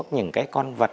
những cái con vật